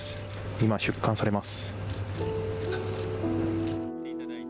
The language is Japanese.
今、出棺されます。